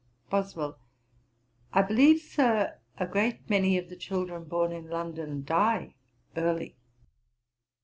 BOSWELL. 'I believe, Sir, a great many of the children born in London die early.'